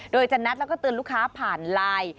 โดยจะนัดแล้วก็เตือนลูกค้าผ่านไลน์